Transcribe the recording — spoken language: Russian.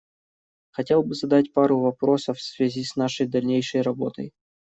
Хотел бы задать пару вопросов в связи с нашей дальнейшей работой.